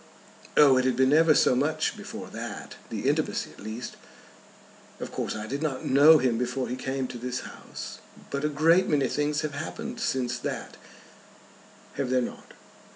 "Oh, it had been ever so much before that, the intimacy at least. Of course I did not know him before he came to this house. But a great many things have happened since that; have there not?